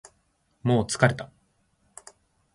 もう疲れた